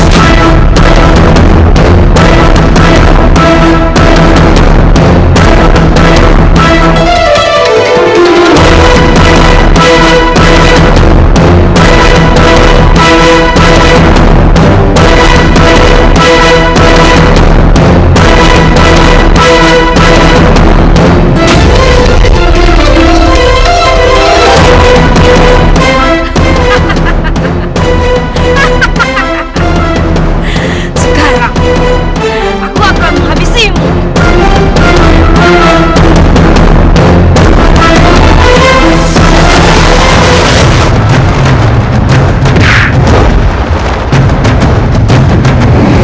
sekarang aku akan menghabisimu